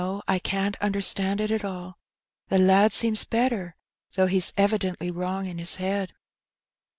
'^No, I can^t understand it at all: the lad seems better, though he's evidently wrong in his head."